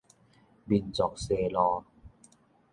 民族西路